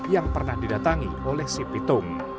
yang pernah didatangi oleh si pitung